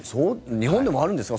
日本でもあるんですか？